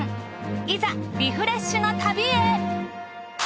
いざリフレッシュの旅へ。